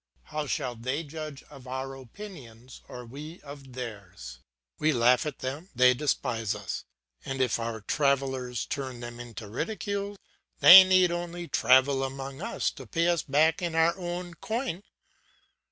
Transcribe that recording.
How shall they judge of our opinions, or we of theirs? We laugh at them, they despise us; and if our travellers turn them into ridicule, they need only travel among us to pay us back in our own coin.